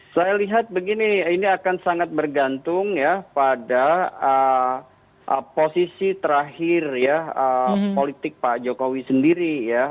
saya lihat begini ini akan sangat bergantung ya pada posisi terakhir ya politik pak jokowi sendiri ya